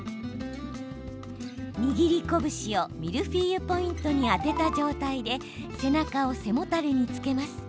握り拳をミルフィーユポイントに当てた状態で背中を背もたれにつけます。